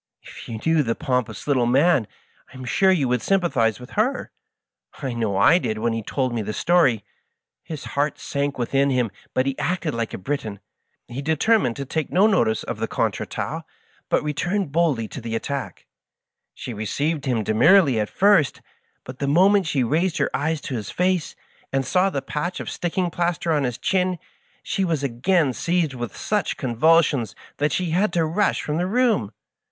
If you knew the pomp ous little man, I am sure you would sympathize with her. I know I did when he told me the story. SQs heart sank within him, but he acted like a Briton. He determined to take no notice of the contretemps^ but return boldly to the attack. She received him demurely at first, but the moment she raised her eyes to his face, and saw the patch of sticking plaster on his chin, she was again seized with such convulsions that she had to rush from the room.